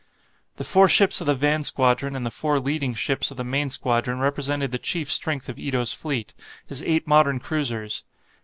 The four ships of the van squadron and the four leading ships of the main squadron represented the chief strength of Ito's fleet, his eight modern cruisers.